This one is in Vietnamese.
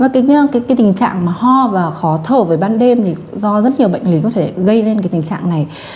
cái tình trạng mà ho và khó thở với ban đêm thì do rất nhiều bệnh lý có thể gây lên cái tình trạng này